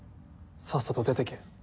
さっさと出てけ。